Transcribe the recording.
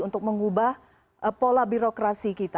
untuk mengubah pola birokrasi kita